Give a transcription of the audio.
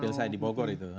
pil saya di bogor itu